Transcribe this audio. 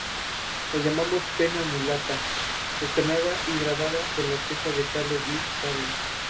La llamamos "Pena mulata", estrenada y grabada por la orquesta de Carlos Di Sarli.